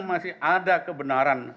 masih ada kebenaran